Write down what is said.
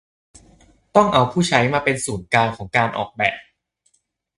ต้องเอาผู้ใช้มาเป็นศูนย์กลางของการออกแบบ